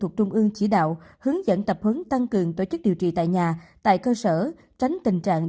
khẩn trương chỉ đạo hướng dẫn tập hướng tăng cường tổ chức điều trị tại nhà tại cơ sở tránh tình trạng